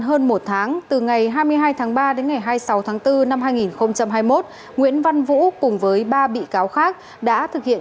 hơn một tháng từ ngày hai mươi hai tháng ba đến ngày hai mươi sáu tháng bốn năm hai nghìn hai mươi một nguyễn văn vũ cùng với ba bị cáo khác đã thực hiện